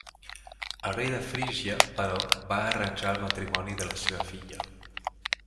El rei de Frígia, però, va arranjar el matrimoni de la seva filla.